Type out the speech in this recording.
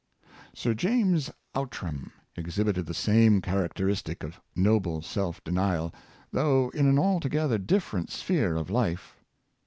Sir James Outram exhibited the same characteristic of noble self denial, though in an altogether different sphere of life.